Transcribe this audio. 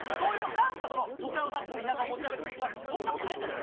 何かその都会を蔑んで田舎を持ち上げる風潮あるけどそんなことないんだから。